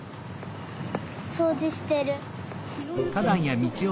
そうじしてる。